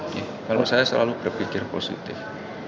kalau saya selalu berpikir positif